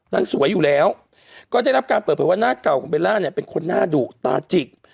นางสวยอยู่แล้วก็ได้รับการเปิดเผยว่าหน้าเก่าของเบลล่าเนี่ยเป็นคนหน้าดุตาจิก